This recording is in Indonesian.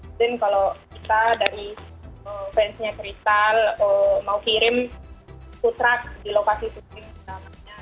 izin kalau kita dari fansnya kristal mau kirim futrak di lokasi suku ini namanya